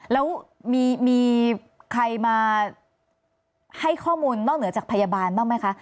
แล้วมีใครมาให้ข้อมูลนอกเหนือจากพยาบาลบ้างไหมคะ